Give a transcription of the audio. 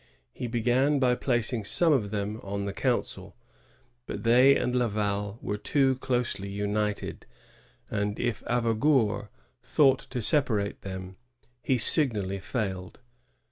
He began by placing some of them on the council; but they and Laval were too closely united; and if Avaugour thought to separate them, he signally failed.